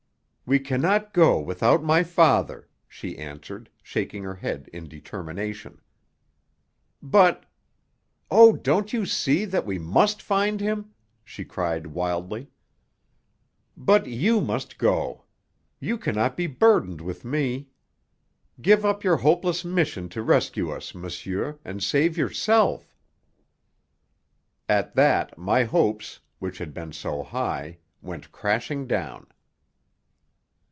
"We cannot go without my father," she answered, shaking her head in determination. "But " "Oh, don't you see that we must find him?" she cried wildly. "But you must go. You cannot be burdened with me. Give up your hopeless mission to rescue us, monsieur, and save yourself!" At that my hopes, which had been so high, went crashing down.